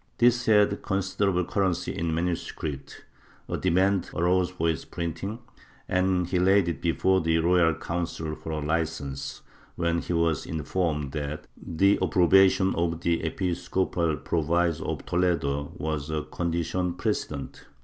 This had considerable currency in MS. ; a demand arose for its printing, and he laid it before the Royal Council for a Hcence, when he was informed that the approbation of the episcopal provisor of Toledo was a condition precedent.